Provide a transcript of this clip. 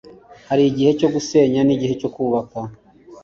hari igihe cyo gusenya, n'igihe cyo kubaka